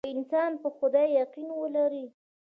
که انسان په خدای يقين ولري.